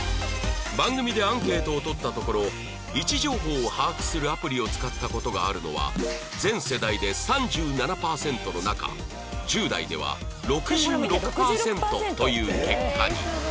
番組でアンケートを取ったところ位置情報を把握するアプリを使った事があるのは全世代で３７パーセントの中１０代では６６パーセントという結果に